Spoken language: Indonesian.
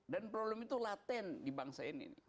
dan problem itu laten di bangsa ini